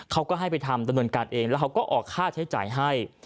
เขาก็ให้ไปทำดำเนินการเองแล้วเขาก็ออกค่าใช้จ่ายให้